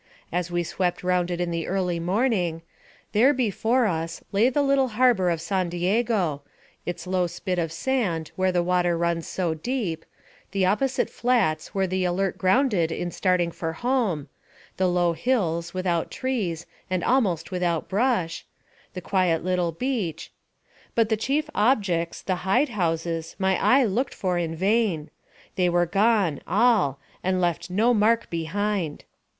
As we swept round it in the early morning, there, before us, lay the little harbor of San Diego, its low spit of sand, where the water runs so deep; the opposite flats, where the Alert grounded in starting for home; the low hills, without trees, and almost without brush; the quiet little beach; but the chief objects, the hide houses, my eye looked for in vain. They were gone, all, and left no mark behind.